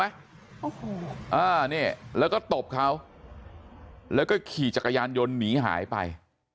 โอ้โหอ่านี่แล้วก็ตบเขาแล้วก็ขี่จักรยานยนต์หนีหายไป